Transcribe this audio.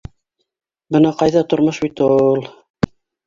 Бына ҡайҙа «тормош бит у-ул»?!